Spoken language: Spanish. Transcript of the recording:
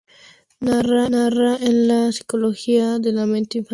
Narra en la psicología de la mente infantil.